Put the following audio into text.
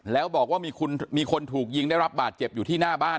แล้วบอกว่ามีคนถูกยิงได้รับบาดเจ็บอยู่ที่หน้าบ้าน